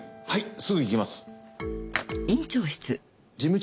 はい。